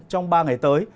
trong ba ngày tới